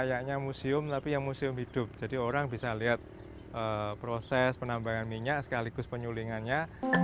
kayaknya museum tapi yang museum hidup jadi orang bisa lihat proses penambangan minyak sekaligus penyulingannya